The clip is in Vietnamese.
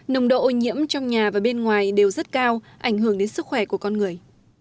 nồng độ ô nhiễm trong nhà và bên ngoài đều rất cao ảnh hưởng đến sức khỏe của con người